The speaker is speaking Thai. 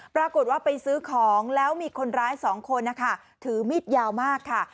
ปรากฏว่าไปซื้อของแล้วมีคนร้ายสองคนนะคะถือมีดยาวมากค่ะ